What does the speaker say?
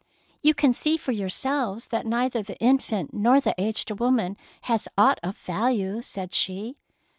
"You can see for yourselves that neither the infant nor the aged woman has aught of value,^^ said she.